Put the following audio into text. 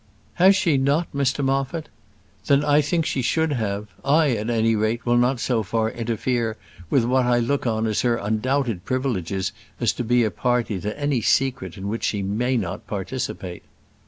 "Has she not, Mr Moffat? then I think she should have. I, at any rate, will not so far interfere with what I look on as her undoubted privileges as to be a party to any secret in which she may not participate."